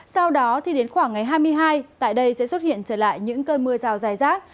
sau đó thì đến khoảng ngày hai mươi hai tại đây sẽ xuất hiện trở lại những cơn mưa rào dài rác